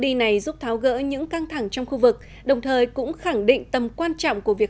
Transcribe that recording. đi này giúp tháo gỡ những căng thẳng trong khu vực đồng thời cũng khẳng định tầm quan trọng của việc